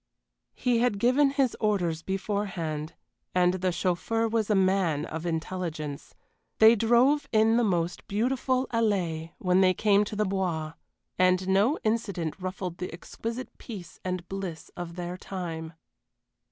He had given his orders beforehand and the chauffeur was a man of intelligence. They drove in the most beautiful allée when they came to the Bois and no incident ruffled the exquisite peace and bliss of their time.